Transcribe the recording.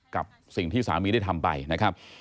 กับสิ่งที่สามีได้ทำไปนะครับ